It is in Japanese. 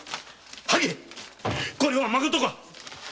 萩絵これはまことか！？